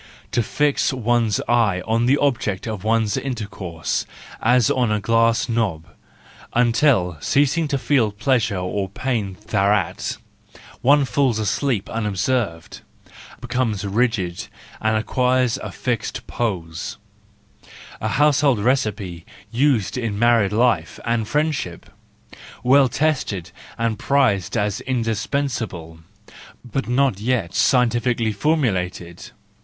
To fix one's eye on the object of one's intercourse, as on a glass knob, until, ceas¬ ing to feel pleasure or pain thereat, one falls asleep unobserved, becomes rigid, and acquires a fixed pose: a household recipe used in married life and in friendship, well tested and prized as indispens¬ able, but not yet scientifically formulated.